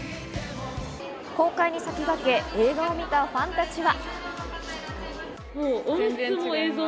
公開に先駆け、映画を見たファンたちは。